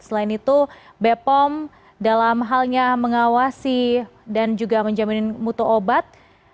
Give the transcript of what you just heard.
selain itu bepom dalam halnya mengawasi dan juga menjamin mutu obat